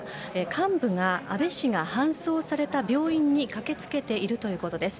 幹部が安倍氏が搬送された病院に駆けつけているということです。